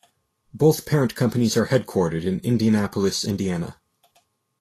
Both parent companies are headquartered in Indianapolis, Indiana.